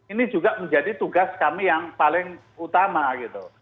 ini juga menjadi tugas kami yang paling utama gitu